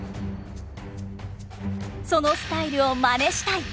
「そのスタイルを真似したい！